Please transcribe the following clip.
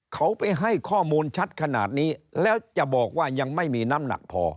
เขาไปให้ข้อมูลชัดขนาดนี้แล้วจะบอกว่ายังไม่มีน้ำหนักพอ